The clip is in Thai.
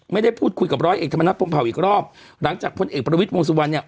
ไม่ได้พูดคุยกับร้อยเอกธรรมนัฐพรมเผาอีกรอบหลังจากพลเอกประวิทย์วงสุวรรณเนี่ย